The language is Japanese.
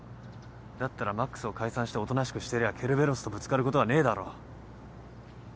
だったら魔苦須を解散しておとなしくしてりゃケルベロスとぶつかることはねえだろ。